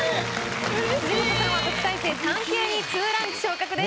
辻元さんは特待生３級に２ランク昇格です。